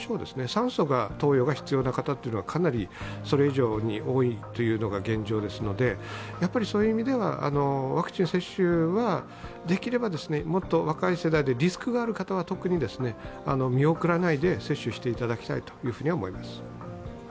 酸素投与が必要な方はそれ以上に多いのが現状ですので、そういう意味ではワクチン接種はできればもっと若い世代で、リスクがある方は特に見送らないで、接種していただきたいとは思います。